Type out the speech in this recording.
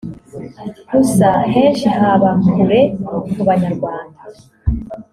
Gusa henshi haba kure ku Banyarwanda